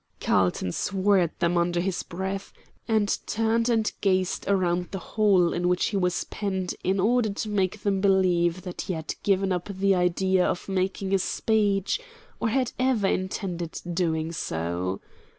Carlton swore at them under his breath, and turned and gazed round the hole in which he was penned in order to make them believe that he had given up the idea of making a speech, or had ever intended doing so.